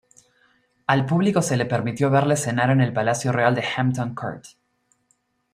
Al público se le permitió verle cenar en el palacio real de Hampton Court.